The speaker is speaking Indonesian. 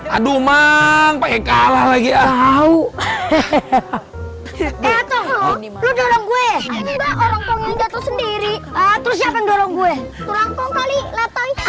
aduh mang pake kalah lagi ahau hehehe hehehe hehehe